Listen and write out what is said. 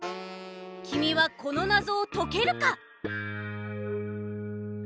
きみはこのなぞをとけるか！？